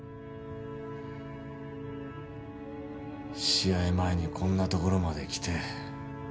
試合前にこんな所まで来て。